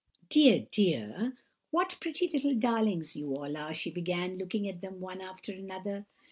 "Dear, dear! what pretty little darlings you all are!" she began, looking at them one after another.